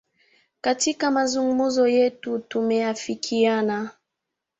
Katika mazungumzo yetu tumeafikiana